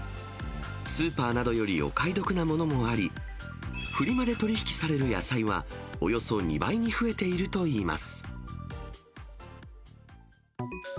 スーパーなどよりお買い得なものもあり、フリマで取り引きされる野菜は、およそ２倍に増えているといいます。